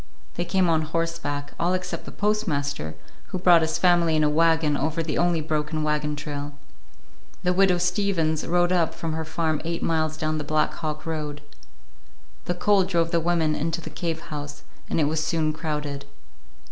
They came on horseback, all except the postmaster, who brought his family in a wagon over the only broken wagon trail. The Widow Steavens rode up from her farm eight miles down the Black Hawk road. The cold drove the women into the cave house, and it was soon crowded.